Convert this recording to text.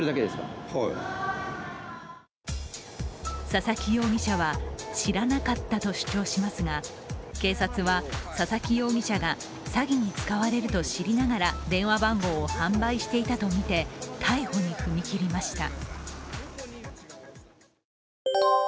佐々木容疑者は知らなかったと主張しますが警察は、佐々木容疑者が詐欺に使われると知りながら電話番号を販売していたとみて逮捕に踏み切りました。